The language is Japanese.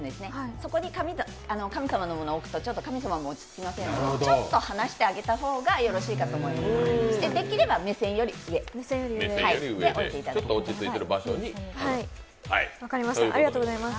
そこに神様のものを置くと神様も落ち着きませんのでちょっと離してあげた方がよろしいかと思います。